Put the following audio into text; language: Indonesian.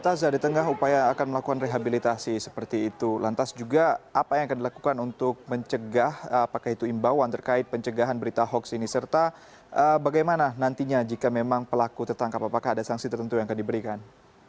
taza di tengah upaya akan melakukan rehabilitasi seperti itu lantas juga apa yang akan dilakukan untuk mencegah apakah itu imbauan terkait pencegahan berita hoax ini serta bagaimana nantinya jika memang pelaku tertangkap apakah ada sanksi tertentu yang akan diberikan